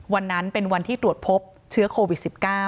วันนั้นเป็นวันที่ตรวจพบเชื้อโควิด๑๙